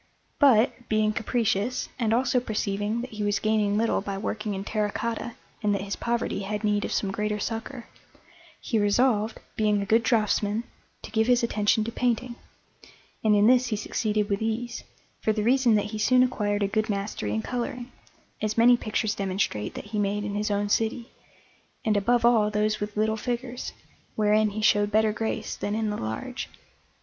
But, being capricious, and also perceiving that he was gaining little by working in terra cotta and that his poverty had need of some greater succour, he resolved, being a good draughtsman, to give his attention to painting; and in this he succeeded with ease, for the reason that he soon acquired a good mastery in colouring, as many pictures demonstrate that he made in his own city, and above all those with little figures, wherein he showed better grace than in the large.